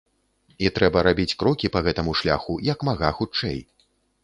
І трэба рабіць крокі па гэтаму шляху як мага хутчэй.